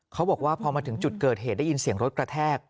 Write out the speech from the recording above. เขาบอกว่าพอมาถึงจุดเกิดเหตุได้ยินเสียงรถกระแทก